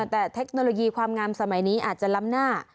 แต่เทคโนโลยีความงามสมัยนี้อาจจะล้ำหน้า